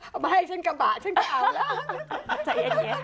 เอามาให้ฉันกระบะฉันก็เอาแล้ว